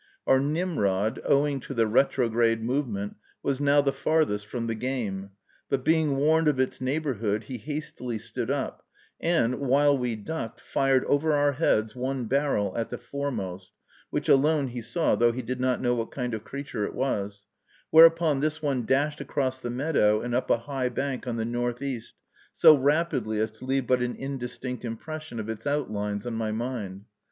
Our Nimrod, owing to the retrograde movement, was now the farthest from the game; but being warned of its neighborhood, he hastily stood up, and, while we ducked, fired over our heads one barrel at the foremost, which alone he saw, though he did not know what kind of creature it was; whereupon this one dashed across the meadow and up a high bank on the northeast, so rapidly as to leave but an indistinct impression of its outlines on my mind.